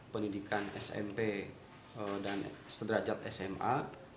pendidikan smp dan sederajat sma